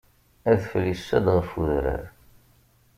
Adfel yessa-d ɣef udrar.